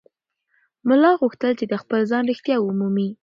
ملا غوښتل چې د خپل ځان رښتیا ومومي.